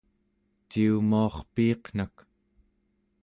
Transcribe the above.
ciumuarpiiqnak!